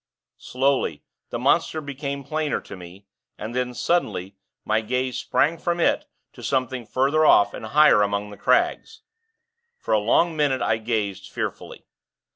Slowly, the monster became plainer to me; and then, suddenly, my gaze sprang from it to something further off and higher among the crags. For a long minute, I gazed, fearfully.